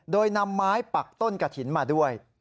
โดยนำไม้ปักต้นกระถิ่นมาด้วย